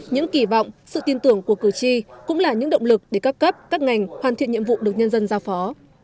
những kỳ vọng sự tin tưởng của cử tri cũng là những động lực để các cấp các ngành hoàn thiện nhiệm vụ được nhân dân giao phó